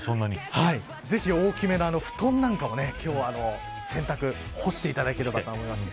ぜひ、大きめな布団なんかも今日は洗濯干していただければと思います。